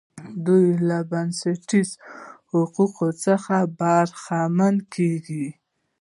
دوی له بنسټیزو حقوقو څخه برخمن کیږي.